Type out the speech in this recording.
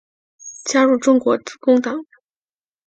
加入中国致公党。